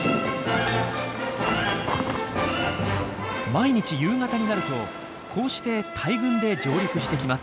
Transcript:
毎日夕方になるとこうして大群で上陸してきます。